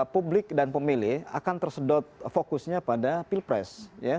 publik dan pemilih akan tersedot fokusnya pada pilpres